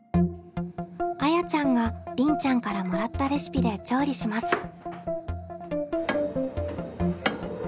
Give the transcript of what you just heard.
あやちゃんがりんちゃんからもらったレシピで調理します。